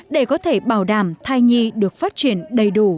để có thể bảo đảm thai nhi được phát triển đầy đủ